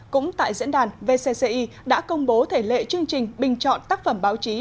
cũng tại diễn đàn vcci đã công bố thể lệ chương trình bình chọn tác phẩm báo chí